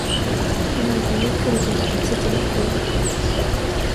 On n’en voyait que le haut ; c’était l’écueil.